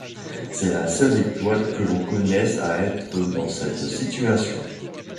C'est la seule étoile que l'on connaisse à être dans cette situation.